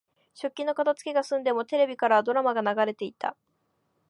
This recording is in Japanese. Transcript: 食器の片づけが済んでも、テレビからはドラマが流れていた。